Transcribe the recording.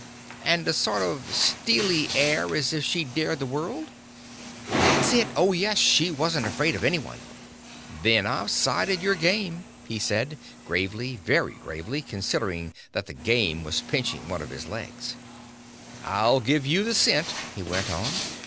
"And a sort of steely air as if she'd dare the world?" "That's it; oh, yes, she wasn't afraid of any one." "Then I've sighted your game," he said, gravely, very gravely, considering that the "game" was pinching one of his legs. "I'll give you the scent," he went on.